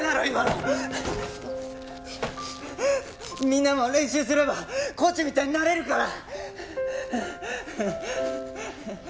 みんなも練習すればコーチみたいになれるから！